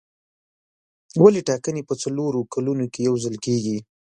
ولې ټاکنې په څلورو کلونو کې یو ځل کېږي.